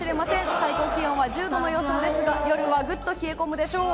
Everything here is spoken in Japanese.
最高気温は１０度の予想ですが夜はぐっと冷え込むでしょう。